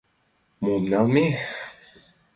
— Мом налме?